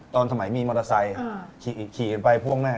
ตอนสมัยมีมอเตอร์ไซส์ขี่ไปพวกแม่